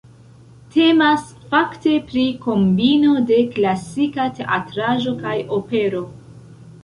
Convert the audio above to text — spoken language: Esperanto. Temas fakte pri kombino de klasika teatraĵo kaj opero.